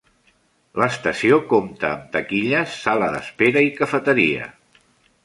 L'estació compta amb taquilles, sala d'espera i cafeteria.